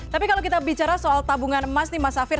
tapi kalau kita bicara soal tabungan emas nih mas hafir